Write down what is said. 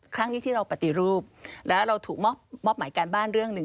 ครั้งนี้ที่เราปฏิรูปแล้วเราถูกมอบหมายการบ้านเรื่องหนึ่ง